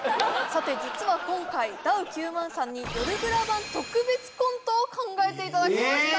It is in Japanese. さて実は今回ダウ９００００さんに「よるブラ」版特別コントを考えていただきました